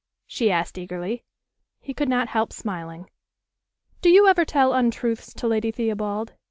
she asked eagerly. He could not help smiling. "Do you ever tell untruths to Lady Theobald?"